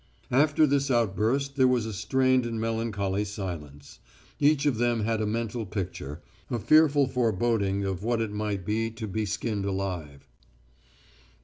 After this outburst there was a strained and melancholy silence. Each of them had a mental picture, a fearful foreboding of what it might be to be skinned alive.